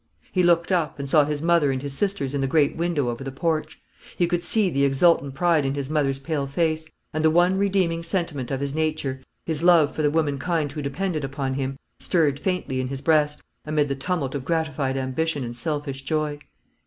He looked up, and saw his mother and his sisters in the great window over the porch. He could see the exultant pride in his mother's pale face; and the one redeeming sentiment of his nature, his love for the womankind who depended upon him, stirred faintly in his breast, amid the tumult of gratified ambition and selfish joy.